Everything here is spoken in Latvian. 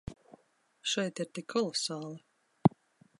Šeit ir tik kolosāli.